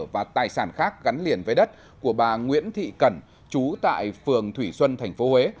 và tài sản khác gắn liền với đất của bà nguyễn thị cẩn chú tại phường thủy xuân tp huế